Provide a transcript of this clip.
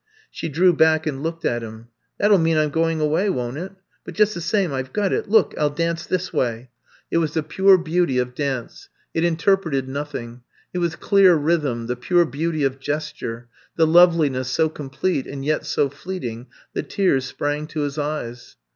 She drew back and looked at him. That '11 mean I 'm going away, won 't it I But, just the same — I 've got it! Look, I 'U dance this way." It was the pure I'VE COME TO STAY 177 beauty of dance, it interpreted nothing. It was clear rhythm, the pure beauty of gesture — the loveliness so complete and yet so fleeting that tears sprang to his eyes.